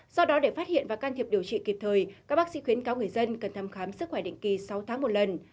do đó để phát hiện và can thiệp điều trị kịp thời các bác sĩ khuyến cáo người dân cần thăm khám sức khỏe định kỳ sáu tháng một lần